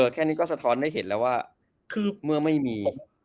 แค่นี้ก็สะท้อนให้เห็นแล้วว่าคืบเมื่อไม่มี